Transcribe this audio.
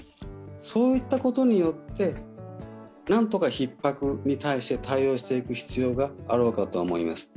そういったことによってなんとかひっ迫に対して対応していく必要があろうかと思います。